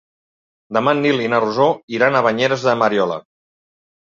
Demà en Nil i na Rosó iran a Banyeres de Mariola.